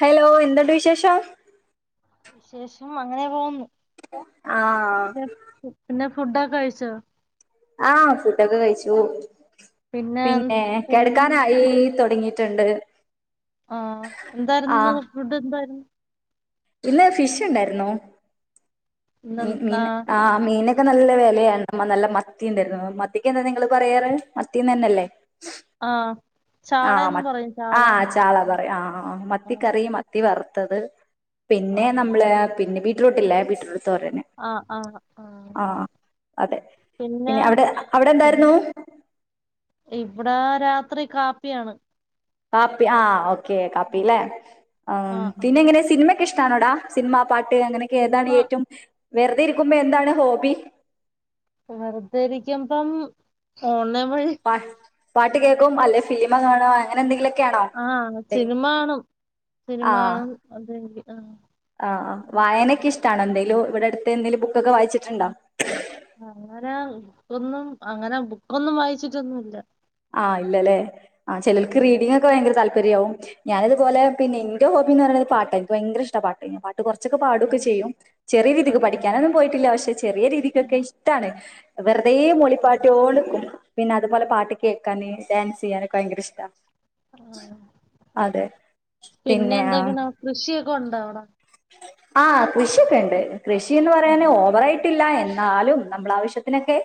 Hello എന്ണ്ട് വിശേഷം? വിശേഷം അങ്ങനെ പോകുന്നു ആ ഫൂണ്ട കഴിച്ചോ ആ ഫുട്ടൊക്കെ കഴിച്ചു പിന്നെ പിന്നെ കിടക്കാനായി തുടങ്ങി ട്ടണ്ട് ആ എന്തായിരുന്നു ഫുഡ് എന്തായിരുന്നു? ഇന്ന് ഫിഷ ഉണ്ടായിന്നു ഇന്ന് ആഹ് ആ മീന ക്കെ നല്ല വിലയാണ്മ്മ നല്ല മത്തി ഇണ്ടായിരുന്നു മത്തിക്ക് എന്താ നിങ്ങള് പറയാറ് മത്തിന്ന് തന്നെയല്ലേ ആ ആ മ ആ ചാള പറ ആ മത്തി ആഹ് കറി മത്തി വറ ത്തത് പിന്നെ നമ്മള് പിന്നെ ബീറ്ററൂട്ട്ല്ലേ ബീറ്ററൂ് ആ ആ ആ അതെ പിന്നെ അവിടെ അവിടെ എന്തായിരുന്നു? ഇവിടെ രാത്രി കാപ്പിയാണ്. കാപ്പി ആ ഓക്കേ കാപ്പി ല്ലെ ആ ആഹ് പിന്നെ ആഹ് എങ്ങനെ സിനിമക്കെ ഇഷ്ടണോടാ സിനിമ പാട്ട് അങ്ങനെയൊക്കെ സിനിമ താണ് ഏറ്റവും വെറുതെ ഇരിക്കുമ്പോ എന്താണ് ഹോബി വെറുതെരിക്കുമ്പം ഓണ- പ പാട്ട് കേൾക്കും അല്ലെ ഫിലിമ കാണ അങ്ങനെ എന്തെങ്കിലും ആ സിനിമ ണും ആ സിനിമാ അത ആ ആ വായനൊക്കെ ഇഷ്ടണോ എന്തേലും ഇവിടെ അടുത്ത് എന്തേങ്കലും ബുക്കൊക്കെ വായിച്ചിട്ടുണ്ടോ അങ്ങനെ ബുക്കൊന്നും അങ്ങനെ ബുക്കൊന്നും വായിച്ചിട്ടൊന്നുല്ല ആ ഇല്ലല്ലേ ആ ചിലർക്ക് അല്ല റീഡിംഗ ഒക്കെ ഭയങ്കര താല്പര്യമാവും ഞാന ഇതുപോലെ പിന്നെ ഹോബിന്ന് പറയ പാട്ട എനി ഭയങ്ക ഇഷ്ട പാട്ട കുറച്ചൊക്കെ ആഹ് പാടൊക്കെ ചെയ്യും ചെറിയ രീതിക്ക് ആഹ് പഠിക്കാനൊന്നും പോയിട്ടില്ല പക്ഷെ ചെറിയ രീതിക്കൊക്കെ ഇഷ്ടണ് വെറുതെ മൂളി പാട്ടിയോടുക്കും പിന്നെ അതുപോലെ പാട്ട് കേൾക്കാന് ഡാൻസ് ചെയ്യാനൊക്കെ ഭയങ്കര ഇഷ്ടമാണ് ആ പിന്നെ എന്തൊക്കെയാണ് കൃഷിയൊക്കെഉണ്ടോ അവിടെ ആ കൃഷിയൊക്കെണ്ട് കൃഷിന്ന് പറയാന് ആഹ് ഓവറായിട്ടില്ല ന്നാലും നമ്മള ആവശ്യത്തിനൊക്കെ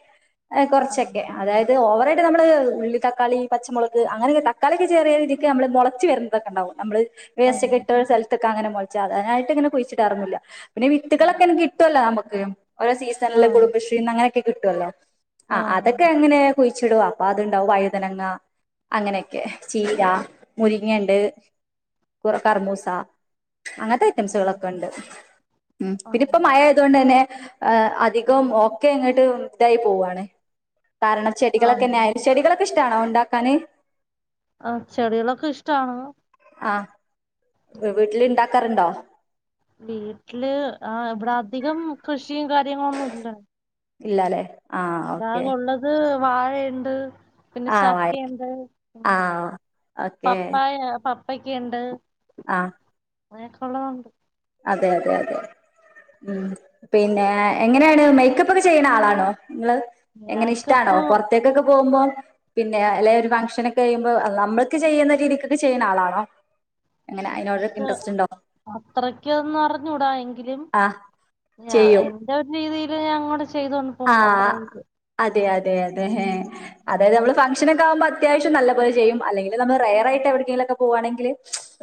ആ കുറച്ചൊക്കെ അതായത് ഓവറായി നമ്മള് ഉള്ളിതക്കാളി പച്ചമുളക് അങ്ങനൊക്കെ തക്കാളിക്കെ ചെറിയ രീതിക്ക് നമ്മള് മുളച്ച് വരുന്നതൊക്കെണ്ടാവും നമ്മള് ആഹ് വേസ്റ്റൊക്ക്ട്ട സ്ഥലത്തൊക്കങ്ങനെ മുളിച്ച് അതിനായിട്ട്ങ്ങനെ കുഴിച്ച്ടാറൊന്നുമില്ല പിന്നെ വിത്തുകളൊക്കെ കിട്ടുമല്ലോ നമുക്ക് ഓരോ സീസണില് ആഹ് കുടുംബശ്രീന്നങ്ങനെയൊക്കെ കിട്ടുവല്ലോ ആ അതൊക്കെ ആഹ് എങ്ങനെ കുഴിച്ചിടും അപ്പൊ അതുണ്ടാവും വയുതനങ്ങ അങ്ങനെയെക്കെ ചീരാ മുരിങ്ങണ്ട് കൊറെ കർമൂസ അങ്ങനത്തെ ആഹ് ഐറ്റംസ്കളൊക്കെണ്ട് മം ആഹ് പിന്നിപ്പൊ ആഹ് മഴയായത് കൊണ്ട്തന്നെ അധികം ഓക്കെ ഇങ്ങട്ട് ഇതായി പോവാണേ കാരണം ചെടികളൊക്കെന്നെയാ ആഹ് ചെടികളൊക്കിഷ്ടാണോ ഉണ്ടാക്കാന് ആ ചെടികളൊക്കെ ഇഷ്ടാണ് ആ വീട്ടില്ണ്ടാക്കാറുണ്ടോ വീട്ടില് ആഹ് ഇവിടെ അധികം കൃഷിയും കാര്യങ്ങളൊന്നുംല്ല ഇല്ലാലെ ഇവിടാകുള്ളത് വാഴണ്ട് പിന്നെ ആഹ് വാഴ ചക്കയുണ്ട് പിന്നെ ആഹ് പപ്പായ പപ്പക്കയുണ്ട് ആ അങ്ങനക്കുള്ളതുണ്ട് അതെ അതെ അതെ മം പിന്നെ എങ്ങനെയാണ് മേക്കപ്പൊക്കെ ചെയ്യണ ആളാണോ നിങ്ങള് എങ്ങനെ ഇഷ്ടാണോ ഞാക്കിപ്പോ പൊറത്തേക്കൊക്കെ പോകുമ്പോ പിന്നെ അല്ലെ ഒരു ഫംഗ്ഷനൊക്കെയ്യുമ്പോ നമ്മൾക്ക് ചെയ്യുന്ന രീതിക്കൊക്കെ ചെയ്യുന്ന ആളാണോ അങ്ങനെ അയിനോടൊക്കെ ഇന്റെറസ്റ്റുണ്ടോ എനിക്കിതൊന്നറിഞ്ഞൂടാ എങ്കിലും എന്റെ ഒരു രീതിയില് ഞ ആ അതെ അതെ അതെ അതായത് നമ്മള് ഫങ്ങ് ഷനൊക്കാകുമ്പോ അത്യാവശ്യം നല്ല പോലെ ചെയ്യും അല്ലെങ്കില് നമ്മ റയറായിട്ടെവിടെക്കെങ്കിലൊക്കെ പോവാണെങ്കിൽ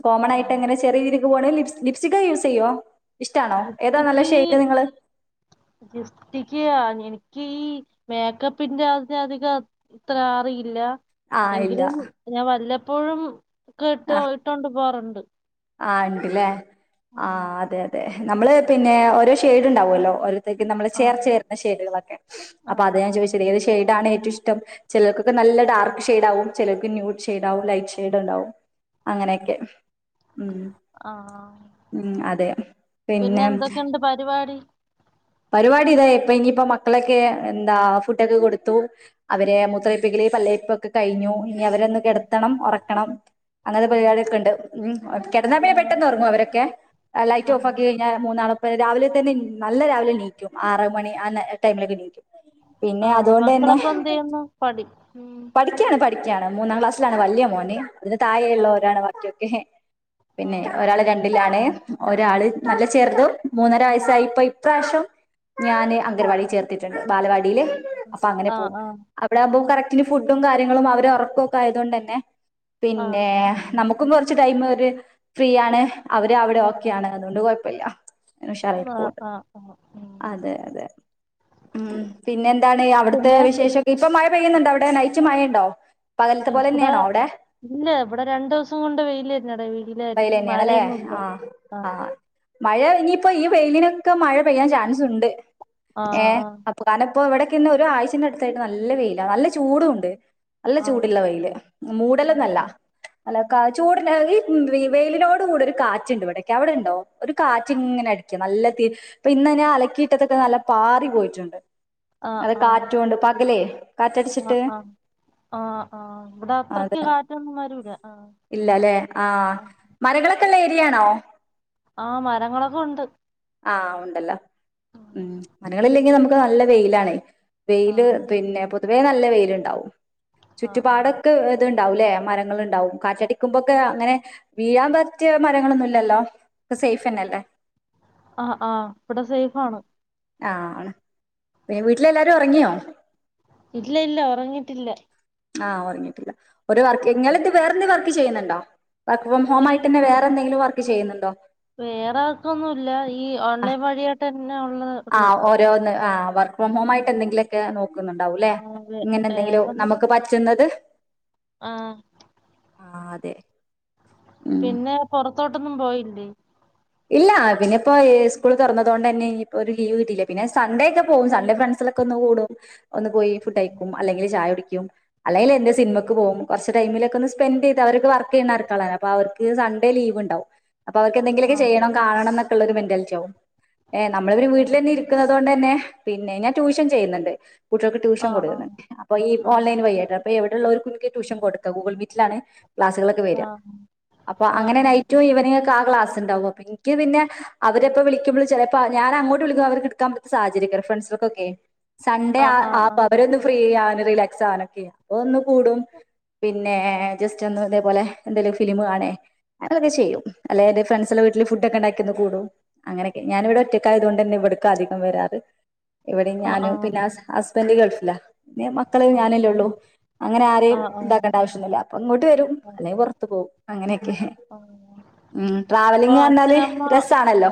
കോമൺ ആ. ആയിട്ടങ്ങനെ ചെറിയ രീതിക്ക് പോവാണെൽ ലിപ്സ്റ്റിക്കൊക്കെ യൂസ് ചെയ്യുമോ ലിഫ്റ്റിക്ക് ലിഫ്റ്റിക്ക് എനിക്ക് എനിക്കീ മേക്കപ്പിന്റെ അതി അധികം അത്രറിയില്ല ആഹ് ഇല്ല എങ്കിലും ഞാൻ വല്ലപ്പോഴും ഒക്ക്ട്ട് ഇട്ടൊണ്ട് പോകാറുണ്ട് ആ ഉണ്ട്ല്ലേ ആ അതെ അതെ നമ്മള് പിന്നെ ഓരോ ഷെയ്ഡ്ണ്ടാവുമല്ലോ ഒരോ ത്തര്ക്കും [unintelligible] നമ്മള് ആഹ് ചേർച്ച വരുന്ന ഷേഡുകളൊക്കെ അപ്പൊ അതാ ഞാൻ ആഹ് ചോദിച്ചേ ഏത് ഷേഡാണ് ഏറ്റവും ഇഷ്ടം ചിലർക്കൊക്ക നല്ല ഡാർക്ക് ഷെഡാവും ചിലർക്ക് ന്യൂഡ് ഷെഡാകും ലൈറ്റ് ഷെഡ്ണ്ടാവും അങ്ങനെയൊക്കെ ഉം ആ ഉം അതെ പിന്നെ പിന്നെന്തൊക്കെയണ്ട് പരിപാടി പരിപാടി ഇതാ ഇപ്പ ഇനിയിപ്പോ മക്കളെയൊക്കെ എന്താ ഫുഡൊക്കെ കൊടുത്തു അവരെ മൂത്രൊയിപ്പിക്കല് പല്ലയിപ്പൊക്കെ കയിഞ്ഞു ഇനി അവരൊന്ന് കെടത്തണം ഒറക്കണം അങ്ങനത്തെ ആഹ് പരിപാടിയൊക്ക്ണ്ട് മം കിടന്നാപിന്നെ പെട്ടെന്നൊറങ്ങും അവരൊക്കെ ലൈറ്റ് ആഹ് ഓഫാക്കിക്കഴിഞ്ഞാൽ മൂന്നാളും പിന്നെ രാവിലെ തന്നെ നല്ല രാവിലെണീക്കും ആറ്മണി ആ ടൈമിലൊക്കെണീക്കും പിന്നെ ആഹ് അതുകൊണ്ടെന്നെ മക്കളൊക്കെ എന്ത് ചെയ്യുന്നു പഠി ഉം പഠിക്കയാണ് പഠി ക്കാണ് മൂന്നാംക്ലാസ്സിലാണ് വല്യ ഉം. മോന് അതിന് ആ തായെയുള്ളോരാണ് ബാക്കിയൊക്കെ ആ പിന്നെ ഒരാള് രണ്ടിലാണ് ഒരാള് നല്ല ചെർതും മൂന്നര വയസ്സായി ഇപ്പൊ ഇപ്രാവശ്യം ഞാന് അംഗൻവാടിയിൽ ചേർത്തിട്ടുണ്ട് ബാലവാടിയിൽ അപ്പൊ അങ്ങനെ ആ പോവും ആ അവിടാകുമ്പോ കറക്റ്റ് ഫുഡും കാര്യങ്ങളും അവരൊറക്കൊക്കെ ആയതുകൊണ്ടന്നെ ആ ആ പിന്നെ നമു ക്കും കുറച്ച് ടൈം അവര് ഫ്രീയാണ് അവര് അവിടെ ഓക്കെയാണ് അതുകൊണ്ട് കുഴപ്പല്ല ആ ആ. ആ ഉം അതെ അതെ ഉം പിന്നെന്താണ് അവിടുത്തെ പിന്നെ വിശേഷൊക്കെ ഇപ്പൊ മഴ പെയ്യുന്നുണ്ടോ അവിടെ നൈറ്റ് മഴ ഉണ്ടോ അ പകലത്തെ പോലെ ഇവിടെ തന്നെയാണോ അവിടെ ഇല്ല ഇവിടെ രണ്ടു ദിവസം കൊണ്ട് വെയിലായിരുന്നു വെയില് വെയിലായിരുന്നു തന്നെയാണല്ലേ മഴയൊന്നും ഇല്ല ആഹ് ആ ആഹ് മഴ ഇനിയിപ്പോ ഈ വെയിലിനൊക്കെ മഴ പെയ്യാൻ ചാൻസ് ഉണ്ട് ആ ഏ ആ അപ്പൊ കാരണം അപ്പൊ ഇവിടക്കന്നെ ഒരു ആഴ്ചന്റെ അടുത്തായിട്ട് നല്ല വെയില നല്ല ചൂടും ഉണ്ട് നല്ല ആ ചൂടുള്ള വെയില് ആ മൂടല്ലന്നല്ല അല്ല കാ ചൂട ഈ വെയിലിനോട് കൂടെ ഒരു കാറ്റുണ്ട് ഇവിടക്കെ അവിടെണ്ടോ ഒരു കാറ്റ് ഇങ്ങനെ അടി നല്ല അപ്പൊ ഇന്ന് ഞാൻ അലക്കിയിട്ടത്തൊക്കെ നല്ല പാറി പോയിട്ടുണ്ട് ആ അത് ആ കാറ്റൊണ്ട് പകലേ കാറ്റടച്ചിട്ട് ആ ആ ആ ആ ഇവിടെ അത്രയ്ക്ക് കാറ്റൊന്നും വരൂല ആ ഇല്ല അല്ലെ ആ മരങ്ങൾ ഒക്കെയുള്ള ഏരിയാണോ ആ മരങ്ങളൊക്കെ ഉണ്ട് ആ ഉണ്ടല്ല ഉം മരങ്ങളില്ലെങ്കിൽ നമുക്ക് നല്ല വെയിലാണേ ആ വെയില് പിന്നെ പൊതുവേ നല്ല വെയിലുണ്ടാവും ആ ആ ചുറ്റുപാടൊക്കെ ഇത്ണ്ടാവുംല്ലേ മരങ്ങൾ ഉണ്ടാവും കാറ്റടിക്കുമ്പോക്കെ അങ്ങനെ വീഴാൻ പറ്റിയ മരങ്ങളൊന്നും ഇല്ലല്ലോ സേഫ്ന്നെല്ലേ ആഹ്ആഹ് ഇവിടെ സേഫ് ആണ് ആണ് പിന്നെ വീട്ടില എല്ലാരും ഇറങ്ങിയോ ഇല്ല ഇല്ല ഉറങ്ങിട്ടില്ല ആഹ് ഉറങ്ങിട്ടില്ല ഒരു വർക്ക് നിങ്ങളിത് വേറെന്ത് വർക്ക് ചെയ്യുന്നുണ്ടോ വർക്ക് ഫ്രം ഇൽ ഹോമായിട്ട് വേറെന്തെങ്കിലും വർക്ക് ചെയ്യുന്നുണ്ടോ വേറെ വർക്കൊന്നുമില്ല ഈ ഓൺലൈൻ വഴിയായിട്ട തന്നെ ഉള്ള തേ ഉള്ളു ആ വർക്ക് ഫ്രം ഹോം ആയിട്ട് എന്തെങ്കിലുമൊക്കെ നോക്കുന്നുണ്ടാവും അല്ലേ ആ വേ ഇങ്ങനെ എന്തെങ്കിലും വേറെം നമുക്ക് പറ്റുന്നത് ആ ആ അതെ ഉം പിന്നെ പുറത്തോട്ടൊന്നും പോയില്ലേ ഇല്ല പിന്നെ ഇപ്പോ സ്കൂൾ തുറന്നതുകൊണ്ട് തന്നെ ഇപ്പൊ ഒരു ലീവ് കിട്ടിയില്ല പിന്നെ സൺഡേ ഒക്കെ പോവും സൺഡേ ഫ്രണ്ട് ഒന് പോയി ഫുഡ് ഉം. കഴിക്ക അല്ലെങ്കിൽ ചായ കുടിക്കും അല്ലെങ്കിൽ സിനിമക്ക് പോകും കുറ ടൈമിലൊക്കെ ഒന്ന് സ്പെൻറ് ചെയ്ത് അവർക്ക് വർക്ക് ചെയുന്ന ആൾക്കാരല്ലേ അവക്ക് സൺഡേ ലീവ് ഉണ്ടാവും അപ്പോ അവർക്കെങ്കിലും ആ ചെയ്യണം കാണണം എന്നൊക്കെയുള്ള ഒരു മെന്റാലിറ്റി ആവും ഏ നമ്മള ഇവര് ആ വീട്ടിൽ തന്നെ ഇരിക്കുന്നത് കൊണ്ട് തന്നെ പിന്നെ ഞാൻ ട്യൂഷൻ ചെയ്യണ്ട് കുട്ടികൾക്ക് ആ ട്യൂഷൻ ആ കൊടുന്നുണ്ട് അപ്പൊ ഈ ആ ഓൺലൈൻ ആ വഴിയായിട്ട് അപ്പൊ എവിടെയുള്ള ഒരു കു ട്യൂഷൻ കൊടുത്ത ഗൂഗിൾ മീലാണ് ക്ലാസുകളൊക്കെ വരിക അപ്പൊ ആ ആ അങ്ങനെ നൈറ്റും ഈവനിങ്ങുംഒക്കെ ആ ക്ലാസ് ഉണ്ടാവും എനിക്ക് പിന്നെ അവരെപ്പൊ വിളിക്കുമ്പോൾ ചിലപ്പോ ഞാൻ അങ്ങോട്ട് വിളിക്കും അവർക്ക് എടുക്കാൻ സാഹചര്യം ഫ്രണ്ട്സർക്കൊക്കെ സൺഡേ ആ ആ ആ അവരൊന്ന് ഫ്രീ ചെയൻ റിലാക്സ് ആണ് ചെയ്യ അപ്പൊ ഒന്ന് കൂടും പിന്നെ ജസ്റ്റ് ഒന്നും ഇതേപോലെ എന്തെലിലും ഫിലിം കാണും അങ്ങനെയൊക്കെ ചെയ്യും അല്ലെ എന്റെ ഫ്രണ്ട്സിന്റെവീട്ട ഫുഡൊക്കെ ഉണ്ടാക്കിയന്ന് കൂടും അങ്ങനെയൊക്കെ ഞാനവിടെ ഒറ്റക്കായതു കൊണ്ട് തന്നെ ഇവിടക്ക അധികം വരാറ് എവിടെ ആ ആ ഞാനും പിന്നെ ഹസ്ബന്റ് ഗൾഫില പിന്ന മക്കളെ ആ ഞാനല്ലേ ഉള്ളൂ അങ്ങനെ ആ ആ ആരെയും ആ ഇതാക്കേണ്ട ആവശ്യമില്ല ഒന്നി അപ്പൊ ഇങ്ങോട്ട് വരും അല്ലെങ്കിൽ പുറത്ത് പോകും അങ്ങനെയൊക്കെ ഉ അപ്പൊ ട്രാവലിങ് പറഞ്ഞാല് അച്ഛനമ്മ രസാണല്ലോ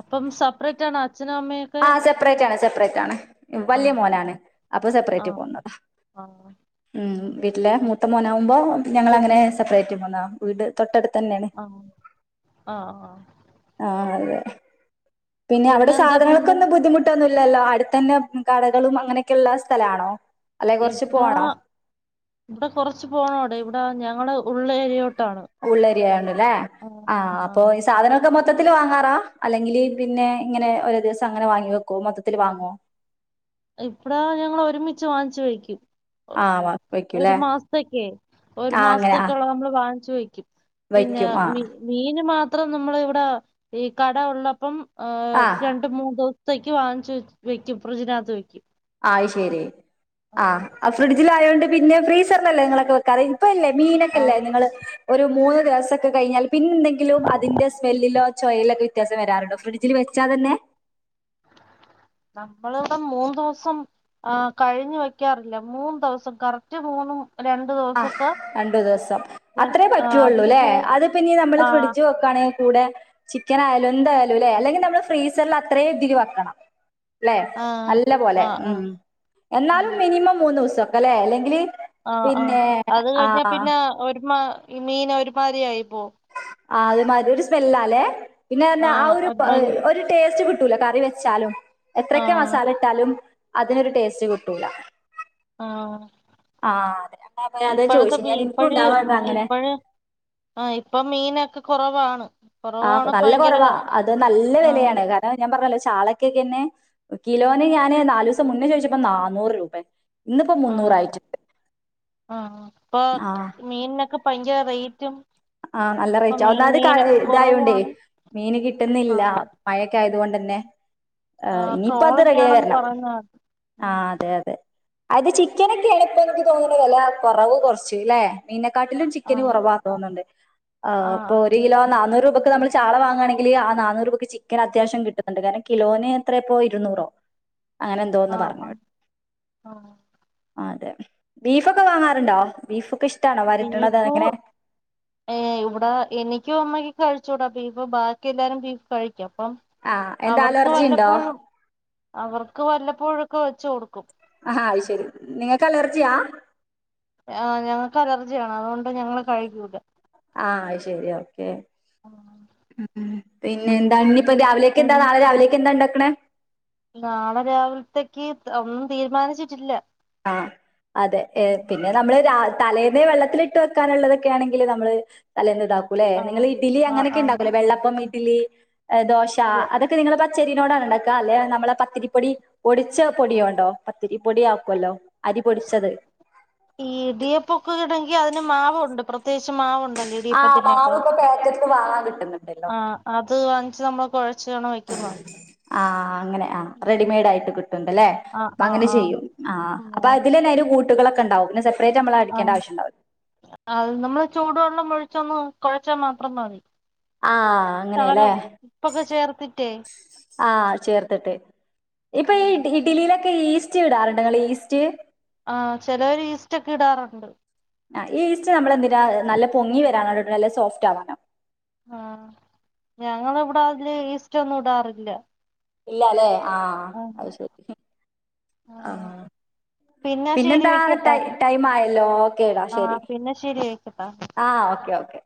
അപ്പം സെപ്പറേറ്റ് ആണ് ആ സെപ്പറേറ്റ് ആണ് സെപ്പറേറ്റ് ആണ് ആ വലിയ മോനോണ് അപ്പൊ ആ സെപ്പറേറ്റ് പോകുന്നു ആ ഉം വീട്ടിലെ മൂത്ത മോനാ കുമ്പോ പിൻ ഞങ്ങളങ്ങനെ സെപ്പറേറ്റ് പോന്ന വീട് തൊട്ടടുത്ത് തന്നെയാണ് ആ ആ ആ ആ അതെ പിന്നെവിടെ പിന്നെ സാ ധനങ്ങൾക്ക് എന്തൊക്കെയുണ്ട് ഒന്നും ബുദ്ധിമുട്ടൊന്നും ഇല്ലല്ലോ അടുത്ത തന്നെ കടകളും അങ്ങനെയൊക്കെ ഉള്ള സ്ഥലാണോ അല്ലെ കുറച്ച് ഇവിടാ പോണോ ഇവിടെ കൊറച്ച് പോണോടെ ഇവിടെ ഞങ്ങള് ഉള്ള ഏരിയോട്ട് ഉള്ളേരിയ ആയോണ്ട് അല്ലേ ആഹ് ആ അപ്പൊ ഈ സാധനമൊക്കെ മൊത്തത്തിൽ വാങ്ങാറാ അല്ലെങ്കില് പിന്നെ ഇങ്ങനെ ഓരോ ദിവസം അങ്ങനെ വാങ്ങി വെക്കോ മൊത്തത്തിൽ വാങ്ങോ ഇപ്പടാ ഞങ്ങൾ ഒരുമിച്ച് വാങ്ങിച്ചു വയ്ക്കും ആ മ ഒരു മാസ്ത്തേക്കെ ഒരു അങ്ങനെ ആ മാസ്ത്തേക്കൊള്ള നമ്മള് വാങ്ങ്ച്ചു വയ്ക്കും പിന്നെ വയ്ക്കും ആ മീ മീന് മാ ത്രം നമ്മള് ഇവിടെ ഈ കട ഒള്ളപ്പം ആഹ് രണ്ട് മൂന്ന്ദോ സത്തേയ്ക്ക് വാങ്ങ്ച്ച്വെ വെയ്ക്കും ഫ്രിജിനാത്ത് വെയ്ക്കും ആയ് ശരി ആ ഫ്രിഡ്ജിലായൊണ്ട് പിന്നെ ഫ്രീസറിലല്ലേ ഇങ്ങളൊക്കെ വെക്കാറ് ഇപ്പഇല്ലേ ആ മീനൊക്കെല്ലേ നിങ്ങള് ഒരു മൂന്ന് ദെവസൊക്കെ കഴിഞ്ഞാൽ പിന്നെന്തെങ്കിലും അതിന്റെ സ്മെല്ലിലോ ചോയയിലൊക്കെ വ്യത്യാസം വരാറുണ്ട് ഫ്രഡ്ജിൽ വെ ഉച്ചാതന്നെ നമ്മളിടെ മൂന്ന് ദോസം ആ കഴിഞ്ഞു വെക്കാറില്ല മൂന്ന് ദെസം കറക്റ്റ് മൂന്നും രണ്ട് ആ ദിവസൊക്കെ രണ്ടു ദിവസം വെ- അത്രേ ആ അതിന് പറ്റുവുള്ളൂല്ലേ കൂ അത് പിന്നെ നമ്മള് ആ ഫ്രിഡ്ജ് വെക്കാണെ കൂടെ ചിക്കൻ ആയാലും എന്തായാലുംല്ലേ അല്ലെങ്കിന്താ മ്മള് ഫ്രീസർല് അത്രേം ഇതില് വെക്കണം ല്ലേ ആഹ് നല്ല പോലെ ആഹ് ഉം എന്നാലും ആഹ് മിനിമം മൂന്നോസം അല്ലേ അല്ലെങ്കില് ആഹ് ആഹ് പിന്നെ അത് ആഹ് കഴിഞ്ഞാപ്പിന്നെ ഒരുമാ മീന് ഒരുമാരി ആയിപ്പോ ആ ഒരുമാരി ഒരു സ്മെല്ലാല്ലേ പിന്നെ ന്താ ആ ആഹ് ഒരു പ് ഒരുമാതിരി ഒരു ടേസ്റ്റ് കി ട്ടൂല കറി വെച്ചാലും എത്രൊക്കെ ആഹ് മസാല ഇട്ടാലും അതിനൊരു ടേസ്റ്റ് കിട്ടൂല അ ആ അതെ അപ്പ അതാ ഇപ്പോഴത്തെ ചോദിച്ചേ ഞാൻ എനിക്കും ബീഇപ്പഴ് ഉണ്ടാവാറുണ്ട് അങ്ങനെ ഇപ്പഴ് ആഹ് ഇപ്പൊ മീനൊക്കെ കൊറവാണ് ആഹ് കൊറവാണ് നല്ല ഭയങ്കര കൊറവാ അത് നല്ല ആഹ് വെലയാണ് കാർണം ഞാൻ പറഞ്ഞല്ലോ ചാളക്കെക്കെന്നെ കിലോന് ഞാന് നാലൂസം മുന്നേ ചോയ്ച്ചപ്പോ നാന്നൂറ് രൂപേ ഇന്നിപ്പോ ആഹ് മുന്നൂറായിട്ടിണ്ട് ആഹ് ഇപ്പൊ മീൻനൊക്കെ ഭയങ്കര റേറ്റും ആഹ് നല്ല ഇപ്പൊ റേറ്റാ മീ ഒന്നാതേ ക മീനൊക്കെ ഇതായോണ്ടേ കൊറവാണ് മീന് കിട്ടുന്നില്ല ആഹ് മഴേക്കെയാ അതുകൊണ്ട്ന്നെ ആഹ് ഇനിയിപ്പ അത് റെഡി ആയി ട്രോളിംങ്ങാണെന്ന് വരണം പറയുന്ന കേട്ട് ആ ഉം അതെ അതെ അത് ചിക്കനൊക്കെയാണിപ്പൊ എനിക്ക് തോന്നണ് വെല കൊറവ് കൊറച്ചൂല്ലെ മീനെ ക്കാട്ടിലും ചിക്കന് ആഹ് കൊറവാന്തോന്ന്ണ്ട് ആഹ് അപ്പൊ ആഹ് ഒരു കിലോ നാന്നൂറ് രൂപക്ക് നമ്മള് ചാള വങ്ങ ണെങ്കില് ആ ന്നാന്നൂറ് രൂപക്ക് ചിക്കന് അത്യാവശ്യം കിട്ടുന്നുണ്ട്. കാരണം, കിലോന് എത്രാപ്പോ ഇരുന്നൂറോ അങ്ങനെ എന്തോന്ന് ആഹ് ആഹ് പറഞ്ഞുട് ആഹ് അതെ ബീഫൊക്കെ വാങ്ങാറുണ്ടോ ബീഫൊക്കെ ഇഷ്ടാണോ വരട്ടണത് അതങ്ങനെ ഇവിടാ എനിക്കും അമ്മയ്ക്കും കഴിച്ചൂടാ ബീഫ് ബാക്കി എല്ലാരും ബീഫ് കഴിക്കും അപ്പം ആ എന്താ അവർക്ക് അലർജി ഉണ്ടോ വല്ലപ്പോഴും, അവർക്ക് വല്ലപ്പോഴുഒക്കെ വെച്ച് കൊടുക്കും ആഹ് അയ് ശെരി നിങ്ങക്കലർജിയാ ആഹ് ഞങ്ങക്ക് അലർജിയാണ് അതുകൊണ്ട് ഞങ്ങള് കഴിക്കൂല ആഹ് ശരി ഓക്കെ ഊം പിന്നെ എന്താല് ഇപ്പം രാവിലേക്ക് പിൻ എന്താ നാളെ രാവിലേക്ക് എന്താ ഇണ്ടാക്കണേ നാളെ രാവിൽത്തേക്ക് ഒന്നും തീരുമാനിച്ചിട്ടില്ല ആഹ് അതെ എം പിന്നെ നമ്മള് രാ തലേന്നേ വെള്ളത്തിലിട്ട് വെക്കാനുള്ളതൊക്കൊണെങ്കില് നമ്മള് തലേ ഉണ്ടാക്കൂലെ നിങ്ങള് ആഹ് ഇഡ്ഡലി ആഹ് അങ്ങനൊക്കെ ആഹ് ഇണ്ടാക്കുല്ലേ വെള്ളപ്പം, ഇഡ്ഡലി, ദോശ അതൊക്കെ നിങ്ങളെ പ ച്ചെരീനോടാണ് ഇണ്ടാക്കാ അല്ലെ നമ്മളെ പത്തിരിപ്പൊടി പൊടിച്ച പൊടിയോണ്ടോ പത്തിരിപ്പൊടി ആക്കുവല്ലോ അരി പൊടിച്ചത്. ഈടിയപ്പൊക്കെഈടെങ്കി അതിന് മാവുണ്ട് പ്രത്യേകിച്ച് മാവുണ്ട് ആഹ് മാവ് ഇപ്പ പാക്കറ്റ്ന്ന് വാ ആഹ് അത് വാങ്ങ്ച്ച് നമ്മ്ള് കുഴച്ചാണ് വെക്കുന്നത് അ ആ അങ്ങനെ ആ റെഡിമെയ്ഡായിട്ട് കിട്ട്ണ്ട് അല്ലേ ആഹ് അപ്പൊ ആഹ് അങ്ങനെ ചെയ്യും ആഹ് അപ്പൊ അതിലെന്നായ്ല് കൂ ട്ടുകളൊക്കെണ്ടാവും പിന്നെ ചെൽ ആ അത് നമ്മള് ചൂട് വെള്ള മൊഴിച്ചൊന്ന് കുഴച്ചാൽ മാത്രം മതി. ആ അങ്ങനെയല്ലേ? ശകലം ഉപ്പൊക്കെ ചേർത്തിട്ടേ ആ ചേർത്തിട്ട് ഇപ്പൊ ഈ ഇഡലിയി ക്കെ ഈസ്റ്റ് ഇടാറുണ്ടോ? നിങ്ങൾ ഈസ്റ്റ്? ആ ചിലര് ഈസ്റ്റ് ഒക്കെ ഇടാറുണ്ട്. ആ ഈസ്റ്റ് നമ്മളെന്തിന നല്ല പൊങ്ങി വരാനോ? നല്ല സോഫ്റ്റ് ആവാനോ? ആ ഞങ്ങളിവിടെ അതില് ഈസ്റ്റൊന്നും ഇടാറില്ല. ഇല്ല അല്ലെ ആ അത് ശരി. ആ പിന്നെ ശരി പിന്നെന്താ വെക്കട്ടാ ടൈം ആയല്ലോ. ഓ. കെ ടാ ആ ശരി പിന്നെ ശരി വെക്കട്ടാ ആ ഓക്കെ ഓക്കെ.